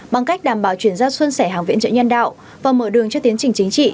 bằng cách đảm bảo chuyển ra xuân sẻ hàng viện trợ nhân đạo và mở đường cho tiến trình chính trị